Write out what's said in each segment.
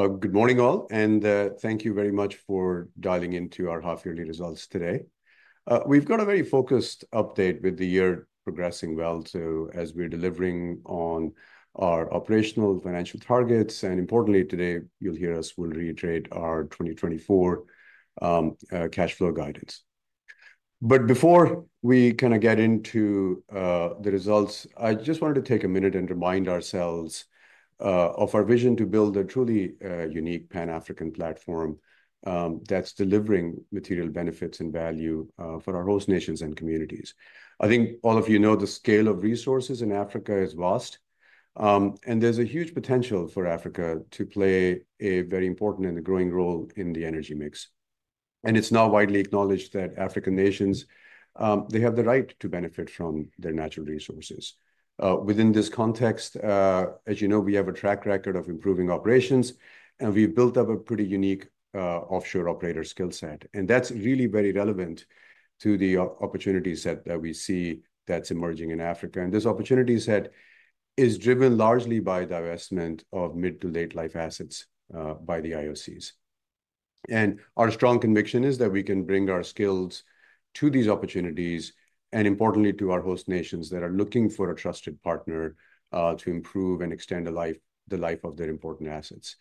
Good morning, all, and thank you very much for dialing into our half-yearly results today. We've got a very focused update, with the year progressing well, so as we're delivering on our operational financial targets, and importantly today, you'll hear us, we'll reiterate our 2024 cash flow guidance. But before we kind of get into the results, I just wanted to take a minute and remind ourselves of our vision to build a truly unique Pan-African platform, that's delivering material benefits and value for our host nations and communities. I think all of you know the scale of resources in Africa is vast, and there's a huge potential for Africa to play a very important and a growing role in the energy mix. It's now widely acknowledged that African nations, they have the right to benefit from their natural resources. Within this context, as you know, we have a track record of improving operations, and we've built up a pretty unique offshore operator skill set, and that's really very relevant to the opportunities that we see that's emerging in Africa. This opportunity set is driven largely by divestment of mid- to late-life assets by the IOCs. Our strong conviction is that we can bring our skills to these opportunities and, importantly, to our host nations that are looking for a trusted partner to improve and extend the life of their important assets.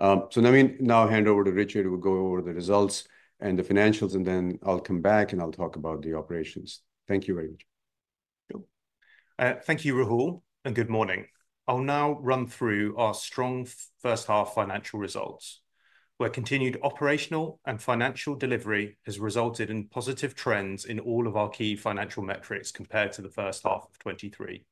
So, let me now hand over to Richard, who will go over the results and the financials, and then I'll come back, and I'll talk about the operations. Thank you very much. Thank you, Rahul, and good morning. I'll now run through our strong first half financial results, where continued operational and financial delivery has resulted in positive trends in all of our key financial metrics compared to the first half of 2023.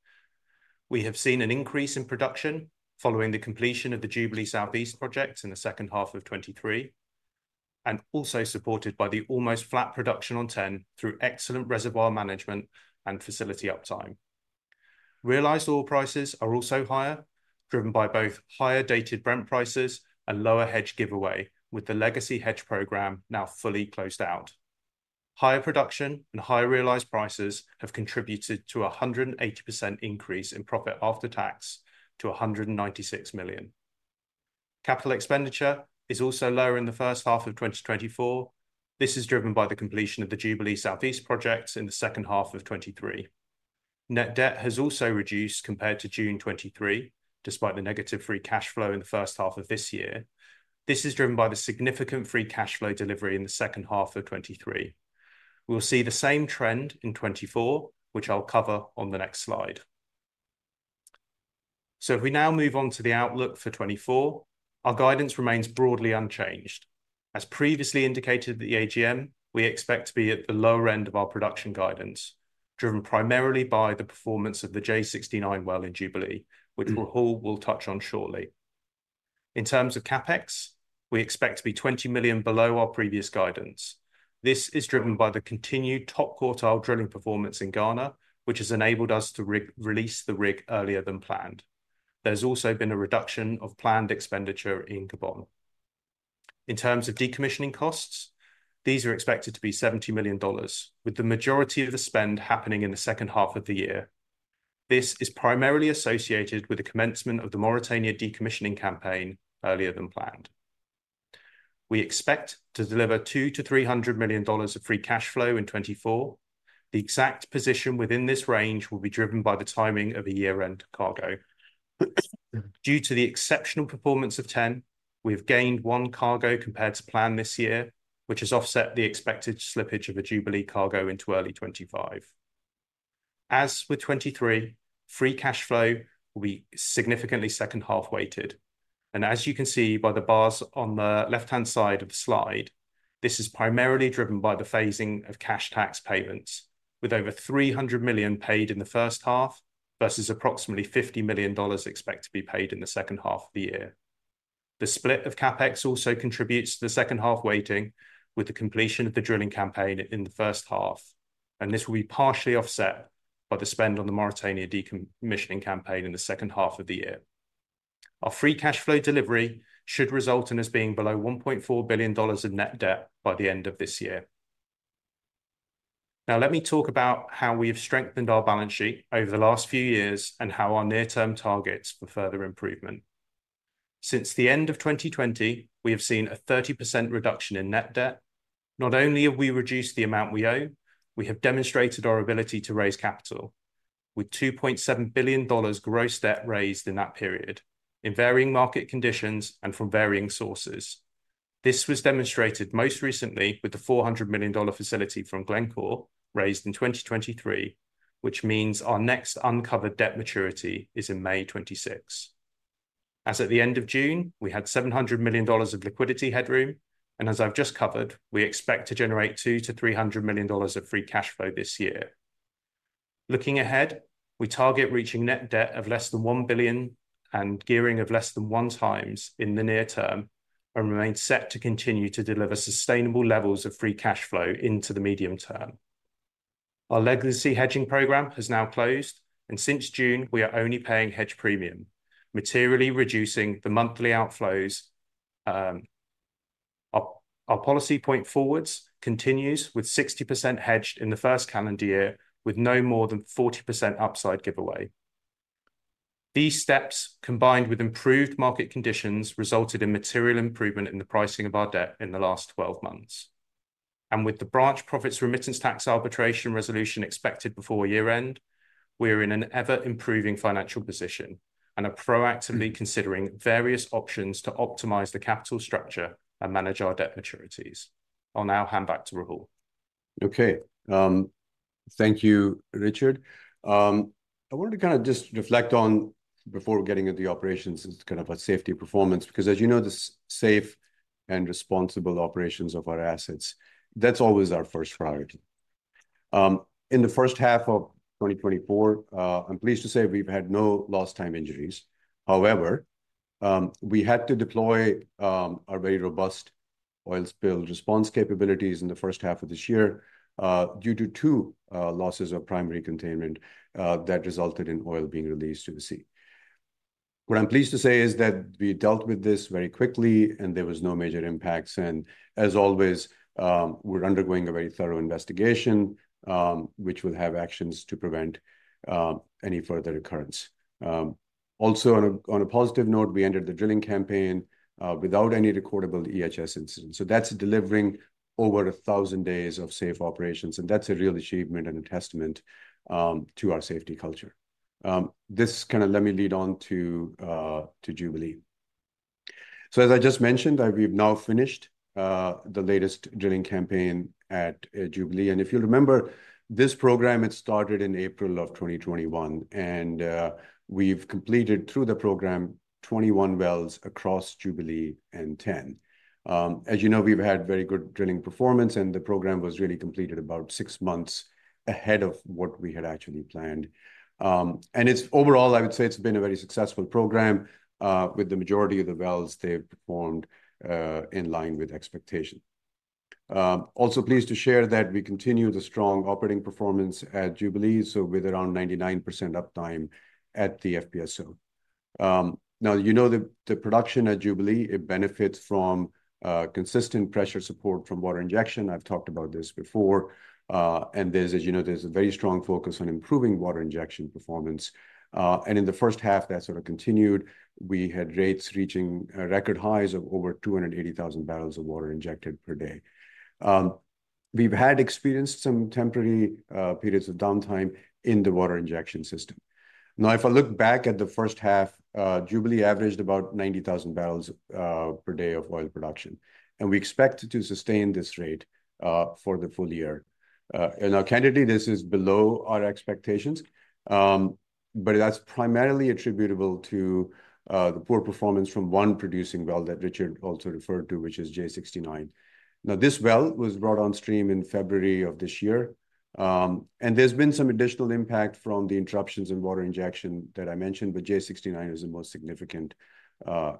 We have seen an increase in production following the completion of the Jubilee South East project in the second half of 2023 and also supported by the almost flat production on TEN through excellent reservoir management and facility uptime. Realized oil prices are also higher, driven by both higher dated Brent prices and lower hedge giveaway, with the legacy hedge program now fully closed out. Higher production and higher realized prices have contributed to a 180% increase in profit after tax to $196 million. Capital expenditure is also lower in the first half of 2024. This is driven by the completion of the Jubilee South East projects in the second half of 2023. Net debt has also reduced compared to June 2023, despite the negative free cash flow in the first half of this year. This is driven by the significant free cash flow delivery in the second half of 2023. We'll see the same trend in 2024, which I'll cover on the next slide. So, if we now move on to the outlook for 2024, our guidance remains broadly unchanged. As previously indicated at the AGM, we expect to be at the lower end of our production guidance, driven primarily by the performance of the J69 well in Jubilee, which Rahul will touch on shortly. In terms of CapEx, we expect to be $20 million below our previous guidance. This is driven by the continued top-quartile drilling performance in Ghana, which has enabled us to release the rig earlier than planned. There's also been a reduction of planned expenditure in Gabon. In terms of decommissioning costs, these are expected to be $70 million, with the majority of the spend happening in the second half of the year. This is primarily associated with the commencement of the Mauritania decommissioning campaign earlier than planned. We expect to deliver $200 million-$300 million of free cash flow in 2024. The exact position within this range will be driven by the timing of a year-end cargo. Due to the exceptional performance of TEN, we've gained one cargo compared to plan this year, which has offset the expected slippage of a Jubilee cargo into early 2025. As with 2023, free cash flow will be significantly second-half weighted, and as you can see by the bars on the left-hand side of the slide, this is primarily driven by the phasing of cash tax payments, with over $300 million paid in the first half, versus approximately $50 million expected to be paid in the second half of the year. The split of CapEx also contributes to the second-half weighting, with the completion of the drilling campaign in the first half, and this will be partially offset by the spend on the Mauritania decommissioning campaign in the second half of the year. Our free cash flow delivery should result in us being below $1.4 billion in net debt by the end of this year. Now, let me talk about how we have strengthened our balance sheet over the last few years and how our near-term targets for further improvement. Since the end of 2020, we have seen a 30% reduction in net debt. Not only have we reduced the amount we owe, we have demonstrated our ability to raise capital, with $2.7 billion gross debt raised in that period, in varying market conditions and from varying sources. This was demonstrated most recently with the $400 million facility from Glencore, raised in 2023, which means our next uncovered debt maturity is in May 2026. As at the end of June, we had $700 million of liquidity headroom, and as I've just covered, we expect to generate $200 million-$300 million of free cash flow this year. Looking ahead, we target reaching net debt of less than $1 billion and gearing of less than 1x in the near term, and remain set to continue to deliver sustainable levels of free cash flow into the medium term. Our legacy hedging program has now closed, and since June, we are only paying hedge premium, materially reducing the monthly outflows. Our policy going forwards continues with 60% hedged in the first calendar year, with no more than 40% upside giveaway. These steps, combined with improved market conditions, resulted in material improvement in the pricing of our debt in the last 12 months. And with the Branch Profits Remittance Tax arbitration resolution expected before year-end, we are in an ever-improving financial position and are proactively considering various options to optimize the capital structure and manage our debt maturities. I'll now hand back to Rahul. Okay, thank you, Richard. I wanted to kind of just reflect on, before getting into the operations, kind of our safety performance, because as you know, the safe and responsible operations of our assets, that's always our first priority. In the first half of 2024, I'm pleased to say we've had no lost time injuries. However, we had to deploy our very robust oil spill response capabilities in the first half of this year, due to 2 losses of primary containment that resulted in oil being released to the sea. What I'm pleased to say is that we dealt with this very quickly, and there was no major impacts, and as always, we're undergoing a very thorough investigation, which will have actions to prevent any further recurrence. Also, on a positive note, we ended the drilling campaign without any recordable EHS incidents, so that's delivering over 1,000 days of safe operations, and that's a real achievement and a testament to our safety culture. Let me lead on to Jubilee. So as I just mentioned, that we've now finished the latest drilling campaign at Jubilee, and if you remember, this program had started in April 2021, and we've completed, through the program, 21 wells across Jubilee and TEN. As you know, we've had very good drilling performance, and the program was really completed about six months ahead of what we had actually planned. And overall, I would say it's been a very successful program, with the majority of the wells, they've performed in line with expectation. Also pleased to share that we continue the strong operating performance at Jubilee, so with around 99% uptime at the FPSO. Now, you know, the production at Jubilee, it benefits from consistent pressure support from water injection. I've talked about this before. And there's, as you know, there's a very strong focus on improving water injection performance. And in the first half, that sort of continued. We had rates reaching record highs of over 280,000 barrels of water injected per day. We've had experienced some temporary periods of downtime in the water injection system. Now, if I look back at the first half, Jubilee averaged about 90,000 barrels per day of oil production, and we expect to sustain this rate for the full year. And now, candidly, this is below our expectations, but that's primarily attributable to the poor performance from one producing well that Richard also referred to, which is J69. Now, this well was brought on stream in February of this year, and there's been some additional impact from the interruptions in water injection that I mentioned, but J69 is the most significant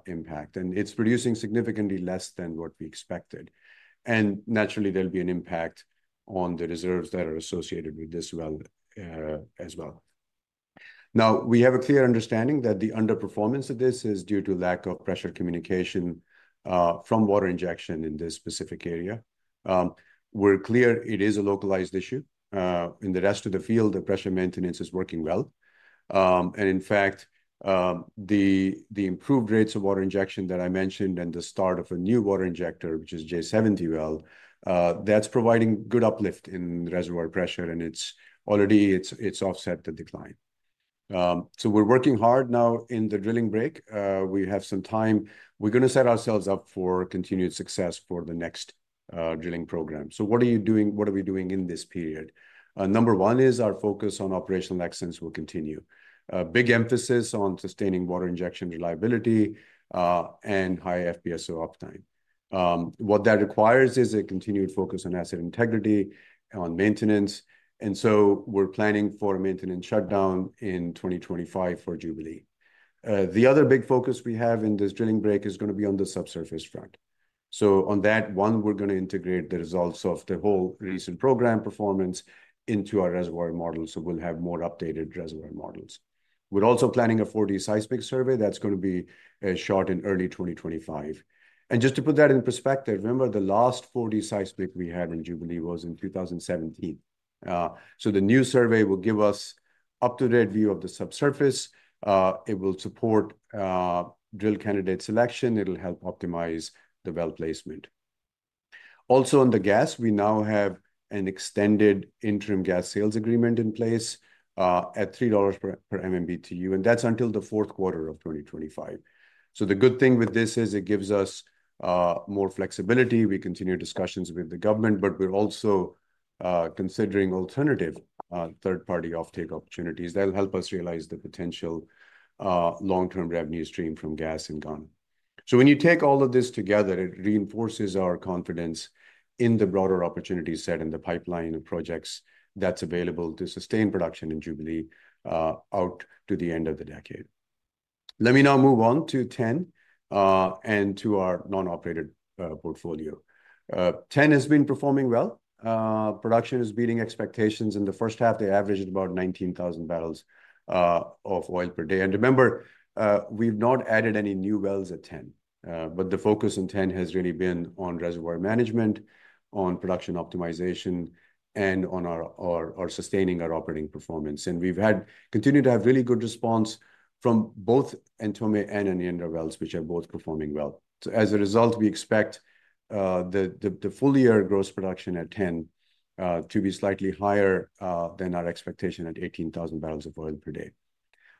impact, and it's producing significantly less than what we expected. Naturally, there'll be an impact on the reserves that are associated with this well, as well. Now, we have a clear understanding that the underperformance of this is due to lack of pressure communication from water injection in this specific area. We're clear it is a localized issue. In the rest of the field, the pressure maintenance is working well. And in fact, the improved rates of water injection that I mentioned and the start of a new water injector, which is J70 well, that's providing good uplift in reservoir pressure, and it's already offset the decline. So, we're working hard now in the drilling break. We have some time. We're gonna set ourselves up for continued success for the next drilling program. So, what are you doing - what are we doing in this period? Number one is our focus on operational excellence will continue. Big emphasis on sustaining water injection reliability and high FPSO uptime. What that requires is a continued focus on asset integrity, on maintenance, and so, we're planning for a maintenance shutdown in 2025 for Jubilee. The other big focus we have in this drilling break is gonna be on the subsurface front. On that one, we're gonna integrate the results of the whole recent program performance into our reservoir model, so, we'll have more updated reservoir models. We're also planning a 4D seismic survey that's gonna be shot in early 2025. Just to put that in perspective, remember, the last 4D seismic we had in Jubilee was in 2017. The new survey will give us up-to-date view of the subsurface. It will support drill candidate selection, it'll help optimize the well placement. Also, on the gas, we now have an extended interim gas sales agreement in place at $3 per MMBtu, and that's until the fourth quarter of 2025. So, the good thing with this is it gives us, more flexibility. We continue discussions with the government, but we're also, considering alternative, third-party offtake opportunities that will help us realize the potential, long-term revenue stream from gas in Ghana. So, when you take all of this together, it reinforces our confidence in the broader opportunity set and the pipeline of projects that's available to sustain production in Jubilee, out to the end of the decade. Let me now move on to TEN, and to our non-operated, portfolio. TEN has been performing well. Production is beating expectations. In the first half, they averaged about 19,000 barrels of oil per day. And remember, we've not added any new wells at TEN. But the focus in TEN has really been on reservoir management, on production optimization, and on our sustaining our operating performance. And we've continued to have really good response from both Ntomme and Enyenra wells, which are both performing well. So, as a result, we expect the full year gross production at TEN to be slightly higher than our expectation at 18,000 barrels of oil per day.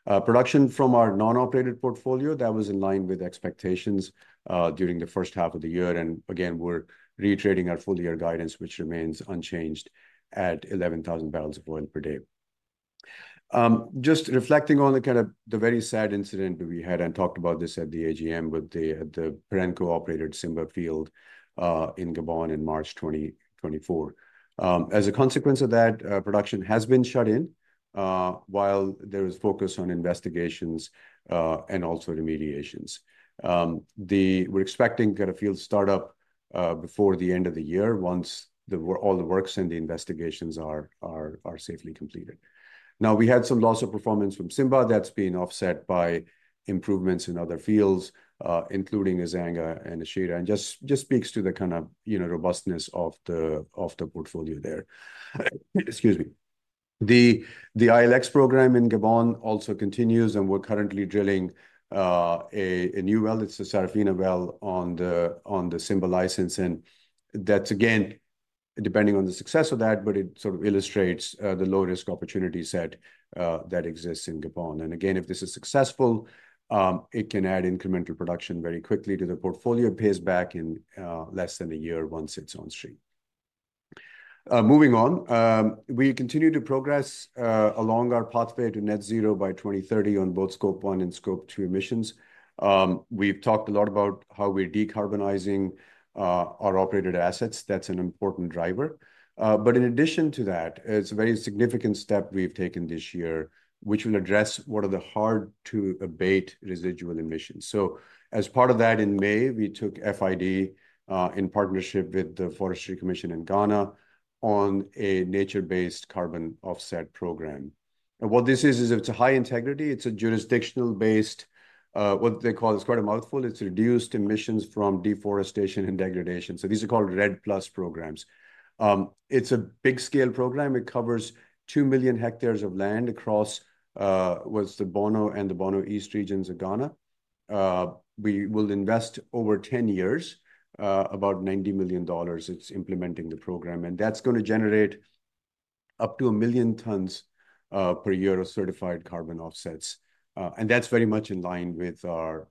Production from our non-operated portfolio was in line with expectations during the first half of the year, and again, we're reiterating our full year guidance, which remains unchanged at 11,000 barrels of oil per day. Just reflecting on the kind of very sad incident that we had, and talked about this at the AGM, with the Perenco-operated Simba field in Gabon in March 2024. As a consequence of that, production has been shut in while there is focus on investigations and also remediations. We're expecting kind of field start up before the end of the year, once all the works and the investigations are safely completed. Now, we had some loss of performance from Simba that's been offset by improvements in other fields, including Ezanga and Echira, and just speaks to the kind of, you know, robustness of the portfolio there. Excuse me. The ILX program in Gabon also continues, and we're currently drilling a new well. It's the Simba-G well on the Simba license, and that's again, depending on the success of that, but it sort of illustrates the low-risk opportunity set that exists in Gabon. And again, if this is successful, it can add incremental production very quickly to the portfolio. It pays back in less than a year once it's on stream. Moving on, we continue to progress along our pathway to net zero by 2030 on both Scope 1 and Scope 2 emissions. We've talked a lot about how we're decarbonizing our operated assets. That's an important driver. But in addition to that, it's a very significant step we've taken this year, which will address what are the hard-to-abate residual emissions. So, as part of that, in May, we took FID in partnership with the Forestry Commission of Ghana on a nature-based carbon offset program. And what this is, is it's a high integrity, it's a jurisdictional-based, what they call, it's quite a mouthful, it's reduced emissions from deforestation and degradation, so, these are called REDD+ programs. It's a big scale program. It covers 2 million hectares of land across, what's the Bono and the Bono East regions of Ghana. We will invest over 10 years, about $90 million into implementing the program, and that's gonna generate up to 1 million tons per year of certified carbon offsets. And that's very much in line with our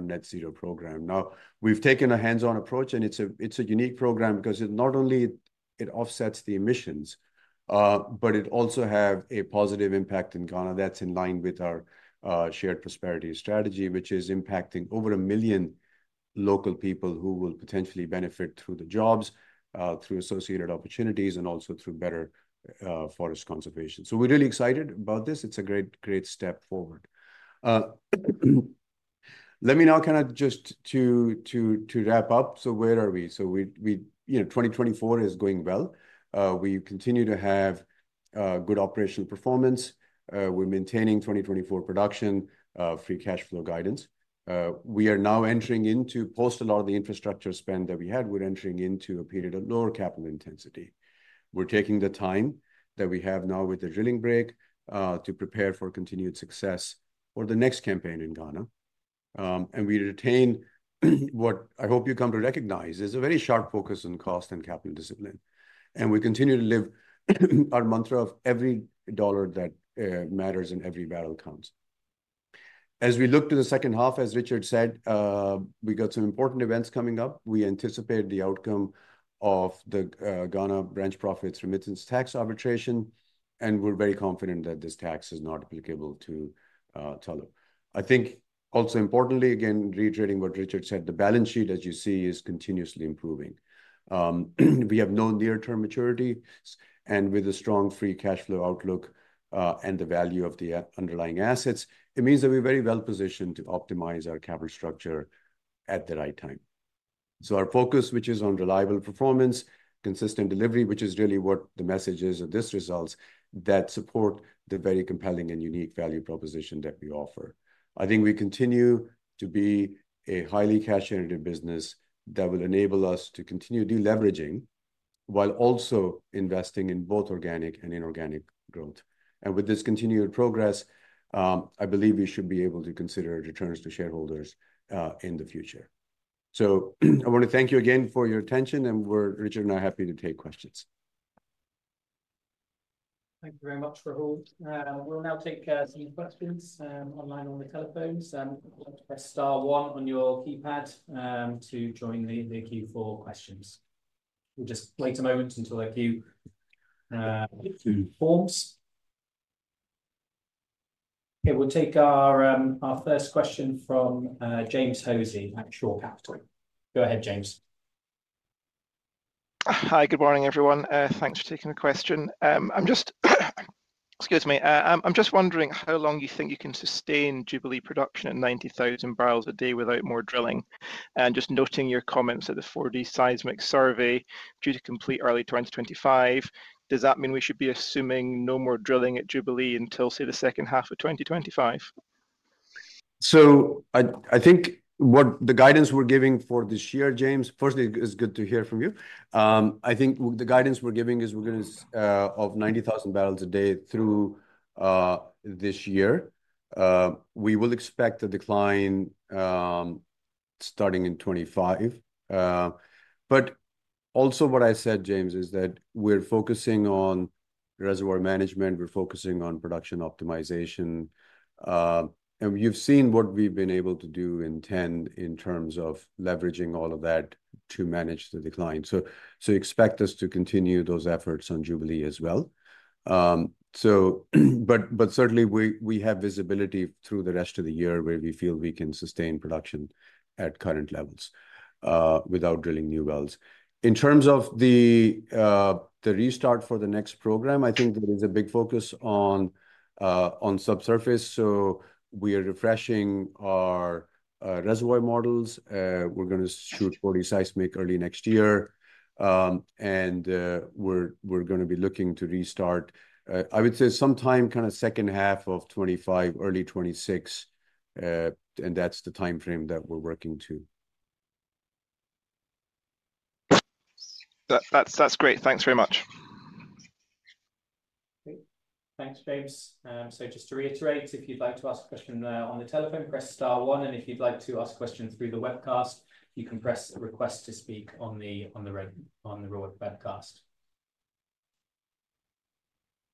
net zero program. Now, we've taken a hands-on approach, and it's a unique program because it not only offsets the emissions, but it also has a positive impact in Ghana that's in line with our shared prosperity strategy, which is impacting over a million local people who will potentially benefit through the jobs, through associated opportunities, and also through better forest conservation. So, we're really excited about this. It's a great, great step forward. Let me now kind of just to wrap up. So, where are we? So, we, you know, 2024 is going well. We continue to have good operational performance. We're maintaining 2024 production, free cash flow guidance. We are now entering into, post a lot of the infrastructure spend that we had, we're entering into a period of lower capital intensity. We're taking the time that we have now with the drilling break to prepare for continued success for the next campaign in Ghana. We retain, what I hope you come to recognize, is a very sharp focus on cost and capital discipline. We continue to live our mantra of every dollar that matters and every barrel counts. As we look to the second half, as Richard said, we got some important events coming up. We anticipate the outcome of the Ghana Branch Profits Remittance Tax arbitration, and we're very confident that this tax is not applicable to Tullow. I think also importantly, again, reiterating what Richard said, the balance sheet, as you see, is continuously improving. We have no near-term maturity, and with a strong free cash flow outlook, and the value of the underlying assets, it means that we're very well positioned to optimize our capital structure at the right time. So, our focus, which is on reliable performance, consistent delivery, which is really what the message is of this results, that support the very compelling and unique value proposition that we offer. I think we continue to be a highly cash-generative business that will enable us to continue de-leveraging, while also investing in both organic and inorganic growth. And with this continued progress, I believe we should be able to consider returns to shareholders, in the future. So, I want to thank you again for your attention, and we're, Richard and I, happy to take questions. Thank you very much, Rahul. We'll now take some questions online on the telephones. Press star one on your keypad to join the queue for questions. We'll just wait a moment until the queue forms. Okay, we'll take our first question from James Hosie at Shore Capital. Go ahead, James. Hi, good morning, everyone. Thanks for taking the question. I'm just-... Excuse me, I'm just wondering how long you think you can sustain Jubilee production at 90,000 barrels a day without more drilling? And just noting your comments at the 4D seismic survey, due to complete early 2025, does that mean we should be assuming no more drilling at Jubilee until, say, the second half of 2025? So, I think what the guidance we're giving for this year, James, firstly, it is good to hear from you. I think the guidance we're giving is we're gonna of 90,000 barrels a day through this year. We will expect a decline starting in 2025. But also, what I said, James, is that we're focusing on reservoir management, we're focusing on production optimization. And you've seen what we've been able to do in TEN in terms of leveraging all of that to manage the decline. So, expect us to continue those efforts on Jubilee as well. But certainly we have visibility through the rest of the year, where we feel we can sustain production at current levels without drilling new wells. In terms of the restart for the next program, I think there is a big focus on subsurface, so, we are refreshing our reservoir models. We're gonna shoot 4D seismic early next year. And, we're gonna be looking to restart, I would say sometime kind of second half of 2025, early 2026, and that's the timeframe that we're working to. That's great. Thanks very much. Great. Thanks, James. So, just to reiterate, if you'd like to ask a question on the telephone, press star one, and if you'd like to ask a question through the webcast, you can press Request to speak on the webcast.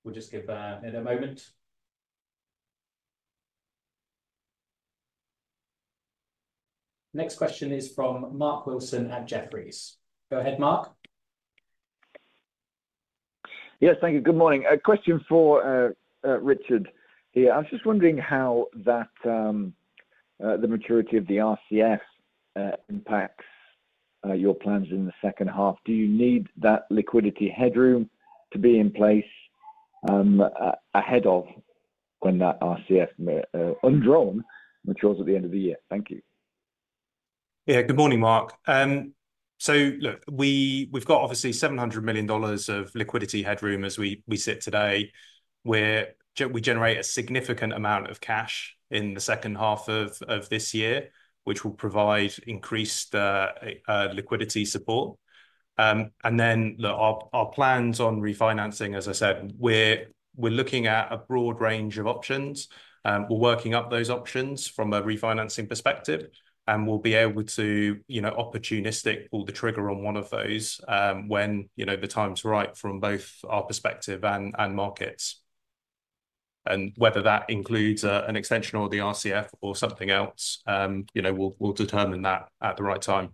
We'll just give that a moment. Next question is from Mark Wilson at Jefferies. Go ahead, Mark. Yes, thank you. Good morning. A question for Richard here. I was just wondering how that the maturity of the RCF impacts your plans in the second half. Do you need that liquidity headroom to be in place ahead of when that RCF undrawn matures at the end of the year? Thank you. Yeah. Good morning, Mark. So, look, we've got obviously $700 million of liquidity headroom as we sit today, where we generate a significant amount of cash in the second half of this year, which will provide increased liquidity support. And then, look, our plans on refinancing, as I said, we're looking at a broad range of options. We're working up those options from a refinancing perspective, and we'll be able to, you know, opportunistic, pull the trigger on one of those, when, you know, the time's right from both our perspective and markets. And whether that includes an extension of the RCF or something else, you know, we'll determine that at the right time.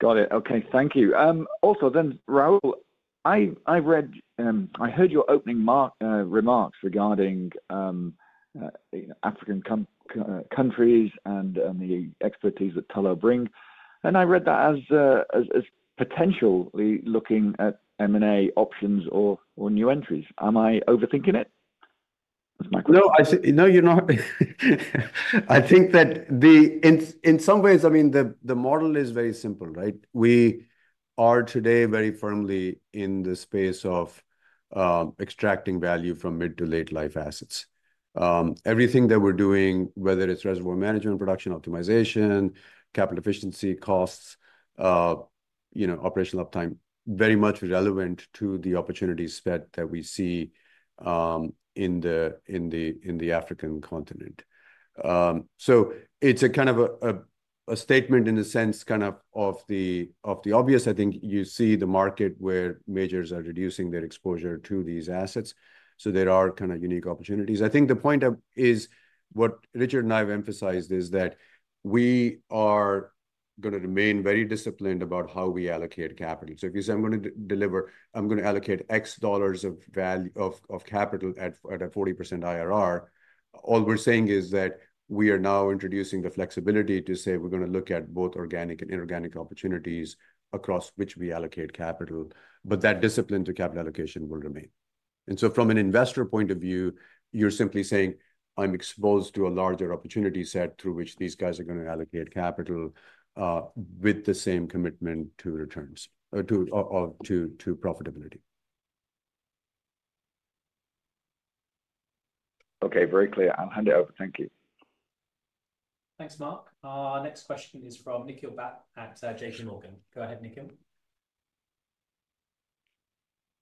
Got it. Okay. Thank you. Also, then, Rahul, I read, I heard your opening remarks regarding African countries and the expertise that Tullow brings, and I read that as potentially looking at M&A options or new entries. Am I overthinking it? That's my question. No, I see... No, you're not. I think that in some ways, I mean, the model is very simple, right? We are today very firmly in the space of extracting value from mid to late life assets. Everything that we're doing, whether it's reservoir management, production optimization, capital efficiency costs, you know, operational uptime, very much relevant to the opportunities that we see in the African continent. So, it's a kind of a statement in a sense, kind of, of the obvious. I think you see the market where majors are reducing their exposure to these assets, so there are kind of unique opportunities. I think the point is, what Richard and I have emphasized is that we are gonna remain very disciplined about how we allocate capital. So, if you say, "I'm gonna deliver, I'm gonna allocate X dollars of value of capital at a 40% IRR," all we're saying is that we are now introducing the flexibility to say we're gonna look at both organic and inorganic opportunities across which we allocate capital, but that discipline to capital allocation will remain. So, from an investor point of view, you're simply saying: I'm exposed to a larger opportunity set through which these guys are gonna allocate capital with the same commitment to returns or to profitability. Okay, very clear. I'll hand it over. Thank you. Thanks, Mark. Our next question is from Nikhil Bhat at J.P. Morgan. Go ahead, Nikhil.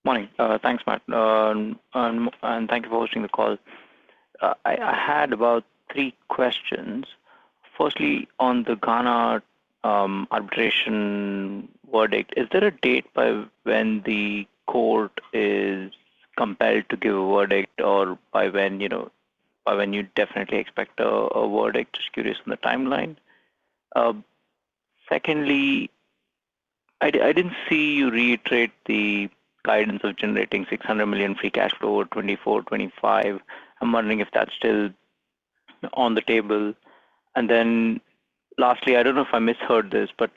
Morning. Thanks, Mark. And thank you for hosting the call. I had about three questions. Firstly, on the Ghana arbitration verdict, is there a date by when the court is compelled to give a verdict, or by when, you know, by when you definitely expect a verdict? Just curious on the timeline. Secondly, I didn't see you reiterate the guidance of generating $600 million free cash flow at 2024-2025. I'm wondering if that's still on the table. And then lastly, I don't know if I misheard this, but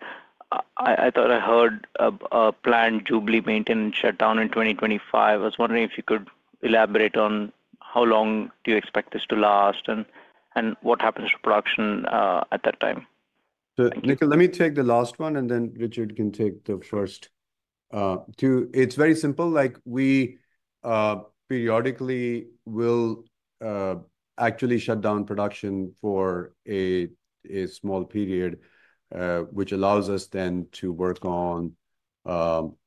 I thought I heard a planned Jubilee maintenance shutdown in 2025. I was wondering if you could elaborate on how long do you expect this to last and what happens to production at that time? So, Nikhil, let me take the last one, and then Richard can take the first. It's very simple, like, we periodically will actually shut down production for a small period, which allows us then to work on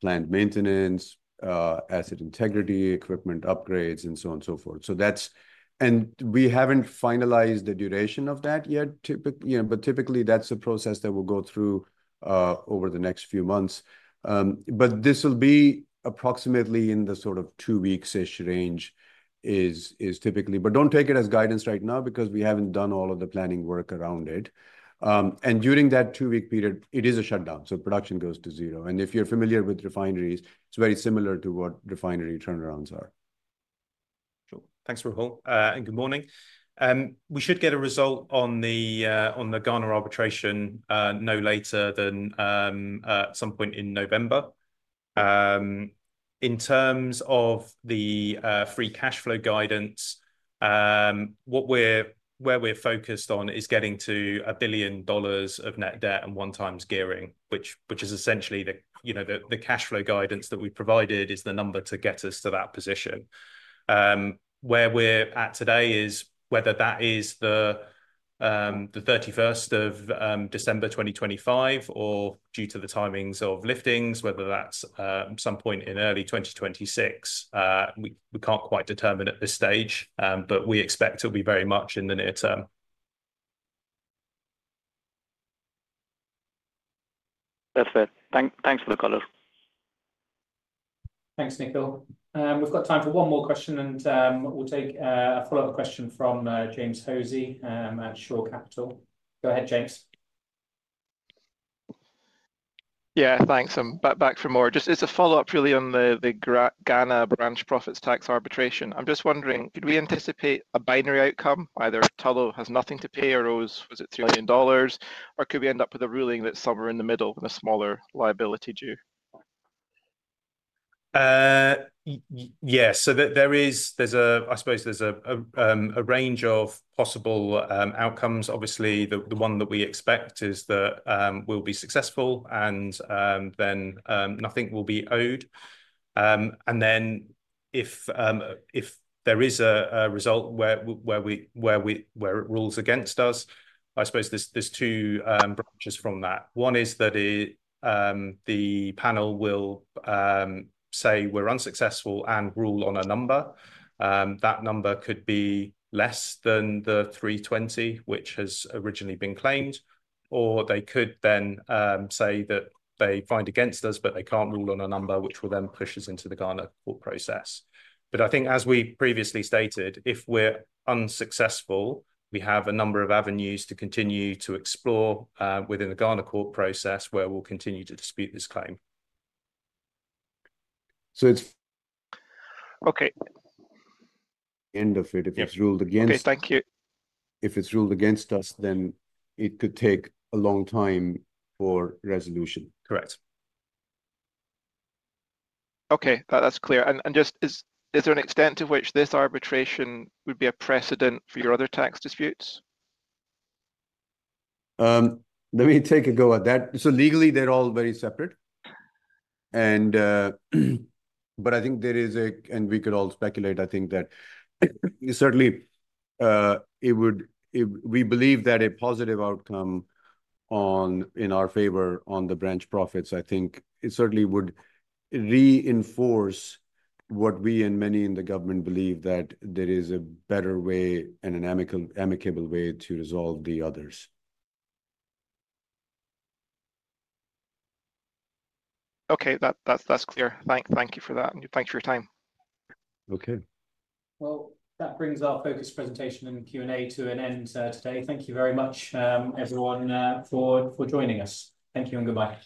plant maintenance, asset integrity, equipment upgrades, and so on and so forth. So, that's. We haven't finalized the duration of that yet, you know, but typically that's a process that we'll go through over the next few months. But this will be approximately in the sort of two-weeks-ish range, is typically. But don't take it as guidance right now, because we haven't done all of the planning work around it. And during that two-week period, it is a shutdown, so production goes to zero. And if you're familiar with refineries, it's very similar to what refinery turnarounds are. Sure. Thanks, Rahul. And good morning. We should get a result on the, on the Ghana arbitration, no later than, some point in November. In terms of the, free cash flow guidance, what we're- where we're focused on is getting to $1 billion of net debt and 1x gearing, which, which is essentially the, you know, the, the cash flow guidance that we provided is the number to get us to that position. Where we're at today is whether that is the, the 31st of, December 2025, or due to the timings of liftings, whether that's, some point in early 2026. We, we can't quite determine at this stage, but we expect it'll be very much in the near term. That's it. Thanks for the call. Thanks, Nikhil. We've got time for one more question, and we'll take a follow-up question from James Hosie at Shore Capital. Go ahead, James. Yeah, thanks. I'm back, back for more. Just as a follow-up, really, on the Ghana branch profits tax arbitration. I'm just wondering, could we anticipate a binary outcome, either Tullow has nothing to pay or owes $3 million? Or could we end up with a ruling that's somewhere in the middle, with a smaller liability due? Yes. So, there is, there's a, I suppose there's a range of possible outcomes. Obviously, the one that we expect is that we'll be successful and then nothing will be owed. And then if there is a result where it rules against us, I suppose there's two branches from that. One is that the panel will say we're unsuccessful and rule on a number. That number could be less than the $320, which has originally been claimed, or they could then say that they find against us, but they can't rule on a number, which will then push us into the Ghana court process. But I think as we previously stated, if we're unsuccessful, we have a number of avenues to continue to explore within the Ghana court process, where we'll continue to dispute this claim. So it's- Okay. End of it, if it's ruled against- Okay, thank you. If it's ruled against us, then it could take a long time for resolution. Correct. Okay, that's clear. And just, is there an extent to which this arbitration would be a precedent for your other tax disputes? Let me take a go at that. So legally, they're all very separate. And, but I think there is and we could all speculate, I think, that certainly, it would, we believe that a positive outcome on, in our favor on the branch profits, I think, it certainly would reinforce what we and many in the government believe, that there is a better way and an amicable, amicable way to resolve the others. Okay. That's clear. Thank you for that, and thanks for your time. Okay. Well, that brings our focused presentation and the Q&A to an end, today. Thank you very much, everyone, for joining us. Thank you and goodbye.